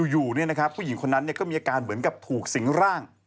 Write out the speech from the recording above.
อยู่ผู้หญิงคนนั้นก็มีอาการเหมือนกับถูกสิงร่าง